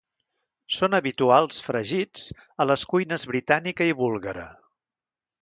Són habituals, fregits, a les cuines britànica i búlgara.